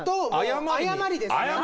誤りですね。